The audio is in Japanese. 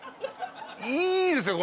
いいですよ